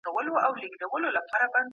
چېري خلګ خپلي قانوني ستونزي د حل لپاره وړي؟